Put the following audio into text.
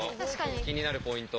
気になるポイント。